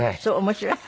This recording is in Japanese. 面白い？